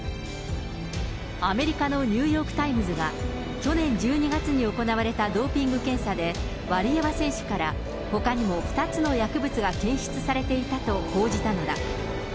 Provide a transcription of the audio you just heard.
アメリカのニューヨーク・タイムズが、去年１２月に行われたドーピング検査で、ワリエワ選手から、ほかにも２つの薬物が検出されていたと報じたのだ。